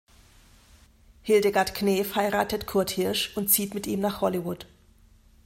Hildegard Knef heiratet Kurt Hirsch und zieht mit ihm nach Hollywood.